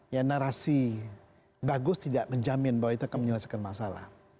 ya narasi bagus tidak menjamin bahwa itu akan menyelesaikan masalah